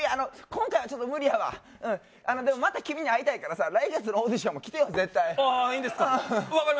今回はちょっと無理やわでもまた君に会いたいからさ来月のオーディションも来てよ絶対いいんですか？